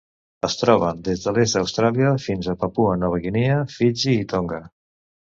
Es troba des de l'est d'Austràlia fins a Papua Nova Guinea, Fiji i Tonga.